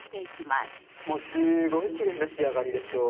すごいきれいな仕上がりでしょ？